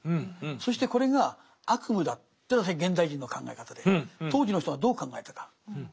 そしてこれが悪夢だというのは現代人の考え方で当時の人はどう考えたかこれは実はですね